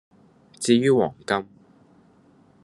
至於黃金